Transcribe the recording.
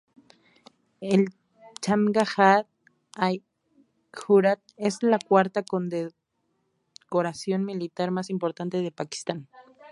El Tamgha-i-Jurat es la cuarta condecoración militar más importante de Pakistán.